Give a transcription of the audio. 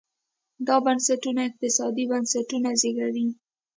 دا بنسټونه اقتصادي بنسټونه زېږوي.